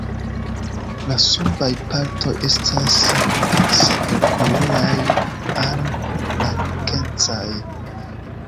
La subaj partoj estas sablokoloraj al blankecaj.